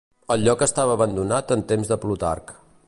El lloc estava abandonat en temps de Plutarc.